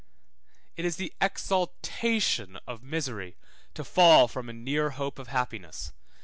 It is the exaltation of misery to fall from a near hope of happiness.